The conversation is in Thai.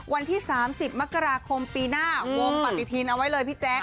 วันที่๓๐มกราคมปีหน้าวงปฏิทินเอาไว้เลยพี่แจ๊ค